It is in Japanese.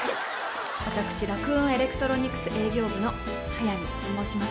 「私ラクーン・エレクトロニクス営業部の速見と申します」